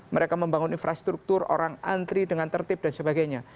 mereka membangun infrastruktur orang antri dengan tertib dan sebagainya